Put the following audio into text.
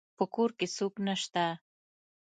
په کور کي څوک نسته